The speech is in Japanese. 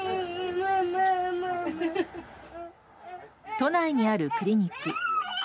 都内にあるクリニック。